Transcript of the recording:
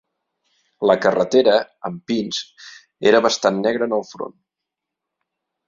La carretera, amb pins, era bastant negra en el front.